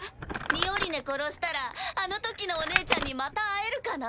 ミオリネ殺したらあのときのお姉ちゃんにまた会えるかな？